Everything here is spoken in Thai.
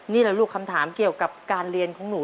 นี่แหละลูกคำถามเกี่ยวกับการเรียนของหนู